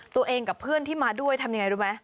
ตัวเองกับเพื่อนที่มาด้วยทำอย่างไรรู้ไหม